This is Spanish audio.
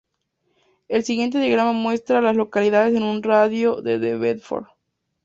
El siguiente diagrama muestra a las localidades en un radio de de Bedford.